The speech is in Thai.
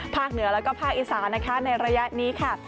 ภาคเหนือและภาคอิสระในระยะนี้ค่ะ